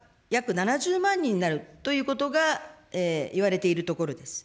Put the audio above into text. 例えば、来年の出生数は約７０万人になるということがいわれているところです。